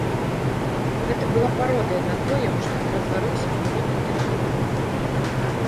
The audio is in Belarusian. Гэта была пародыя на тое, у што ператварыўся мой родны тэлеканал.